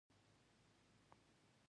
بوټی څنګه په سختۍ را لویېږي سخت کار دی.